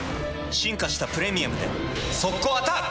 進化した「プレミアム」で速攻アタック！